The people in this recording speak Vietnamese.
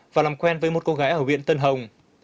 và làm quen với một cô gái ở huyện tân hồng